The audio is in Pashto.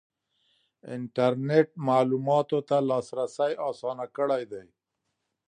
انټرنیټ معلوماتو ته لاسرسی اسانه کړی دی.